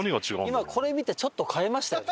今これ見てちょっと変えましたよ。